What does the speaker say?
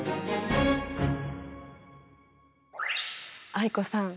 藍子さん